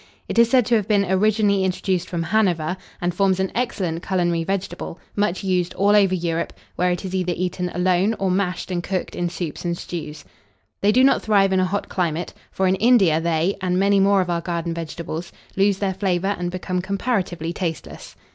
It is said to have been originally introduced from Hanover, and forms an excellent culinary vegetable, much used all over Europe, where it is either eaten alone or mashed and cooked in soups and stews. They do not thrive in a hot climate; for in India they, and many more of our garden vegetables, lose their flavour and become comparatively tasteless.